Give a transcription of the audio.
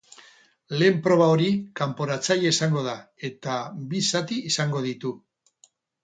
Lehen proba hori kanporatzailea izango da, eta bi zati izango ditu.